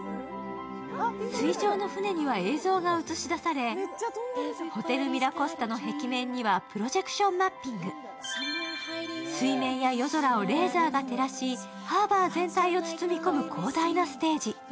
水上の船には映像が映し出されホテルミラコスタの壁面にはプロジェクションマッピング水面や夜空をレーザーが照らしハーバー全体を包み込む広大なステージ